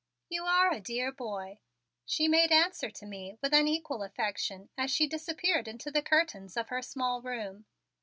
"You are a dear boy," she made answer to me with an equal affection as she disappeared into the curtains of her small room.